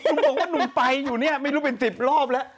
ถึงบอกว่าหนุ่มไปอยู่นี่ไม่รู้เป็นสิบรอบแล้ว